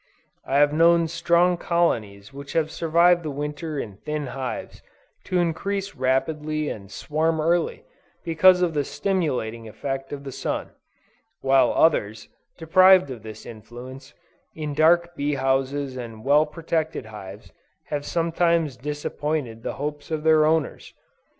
I have known strong colonies which have survived the Winter in thin hives, to increase rapidly and swarm early, because of the stimulating effect of the sun; while others, deprived of this influence, in dark bee houses and well protected hives, have sometimes disappointed the hopes of their owners.